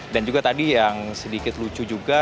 dan juga tadi yang sedikit lucu juga